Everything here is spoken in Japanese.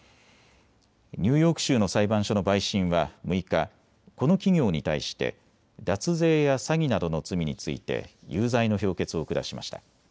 ニューヨーク州の裁判所の陪審は６日、この企業に対して脱税や詐欺などの罪について有罪の評決を下しました。